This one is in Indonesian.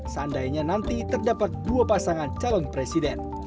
seandainya nanti terdapat dua pasangan calon presiden